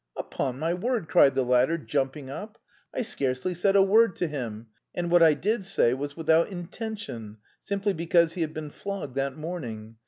'" "Upon my word!" cried the latter, jumping up, "I scarcely said a word to him, and what I did say was without intention, simply because he had been flogged that morning.